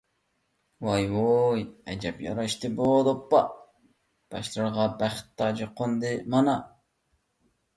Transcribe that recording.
ۋاي - ۋۇي، ئەجەب ياراشتى بۇ دوپپا، باشلىرىغا بەخت تاجى قوندى مانا!